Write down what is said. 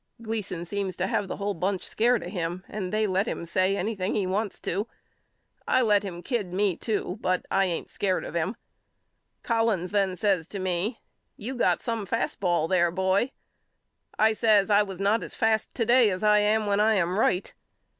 Gleason seems to have the whole bunch scared of him and they let him say anything he wants to. I let him kid me to but I ain't scared of him. Collins then says to me You got some fast ball there boy. I says I was not as fast to day as I am when I am right.